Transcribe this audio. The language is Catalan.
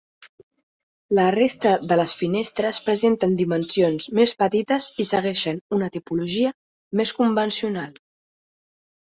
La resta de les finestres presenten dimensions més petites i segueixen una tipologia més convencional.